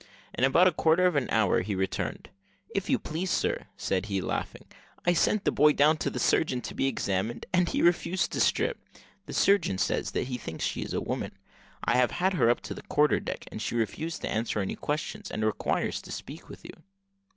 In about a quarter of an hour he returned. "If you please, sir," said he, laughing, "I sent the boy down to the surgeon to be examined, and he refused to strip. The surgeon says that he thinks she is a woman I have had her up on the quarter deck, and she refused to answer any questions, and requires to speak with you."